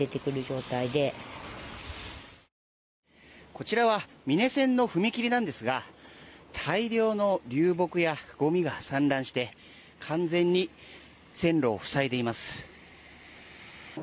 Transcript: こちらは美祢線の踏切なんですが大量の流木やごみが散乱して完全に線路を塞いでいます。